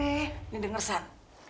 ini dengar san